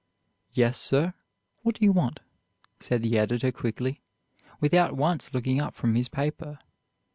"Yes, sir; what do you want?" said the editor quickly, without once looking up from his paper.